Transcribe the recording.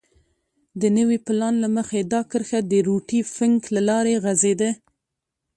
د نوي پلان له مخې دا کرښه د روټي فنک له لارې غځېده.